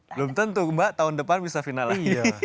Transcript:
belum tentu mbak tahun depan bisa final lagi